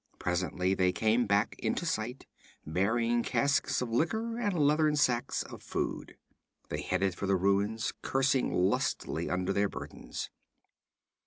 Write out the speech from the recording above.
Presently they came back into sight, bearing casks of liquor and leathern sacks of food. They headed for the ruins, cursing lustily under their burdens.